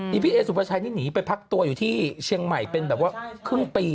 นี่พี่เอสุภาชัยนี่หนีไปพักตัวอยู่ที่เชียงใหม่เป็นแบบว่าครึ่งปี